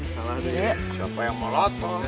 salah nih siapa yang melotot